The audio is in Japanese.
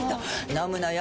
飲むのよ